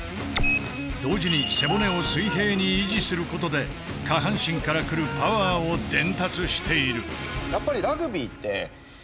同時に背骨を水平に維持することで下半身からくるパワーを伝達している。